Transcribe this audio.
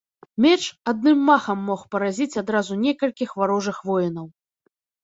Меч адным махам мог паразіць адразу некалькіх варожых воінаў.